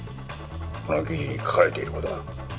この記事に書かれていることは。